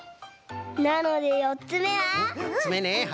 なのでよっつめは。